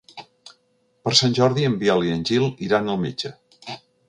Per Sant Jordi en Biel i en Gil iran al metge.